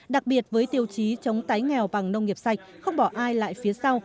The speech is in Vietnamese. đặc biệt với tiêu chí chống tái nghèo bằng nông nghiệp sạch không bỏ ai lại phía sau